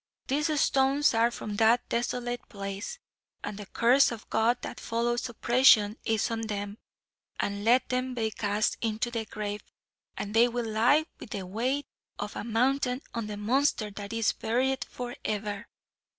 "These stones are from that desolate place, and the curse of God that follows oppression is on them. And let them be cast into the grave, and they will lie with the weight of a mountain on the monster that is buried for ever."